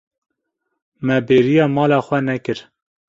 Me bêriya mala xwe nekir.